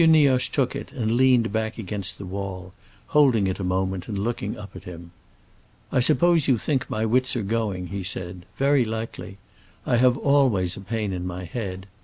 Nioche took it and leaned back against the wall, holding it a moment and looking up at him. "I suppose you think my wits are going," he said. "Very likely; I have always a pain in my head.